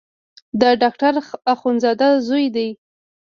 د ډاکټر اخندزاده زوی دی.